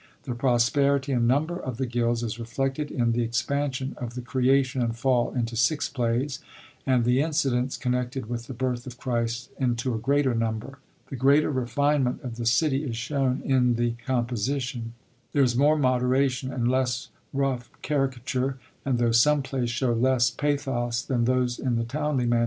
The prosperity and number of the gilds is reflected in the expansion of the Creation and Fall into six plays, and the incidents connected with the birth of Christ into a greater number. The greater refinement of the city is shown in the composition ; there is more moderation and less rough caricature, and tho* sOme plays show less pathos than those in the Towneley MS.